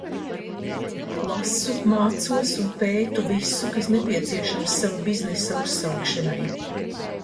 Lasu, mācos un pētu visu, kas nepieciešams sava biznesa uzsākšanai.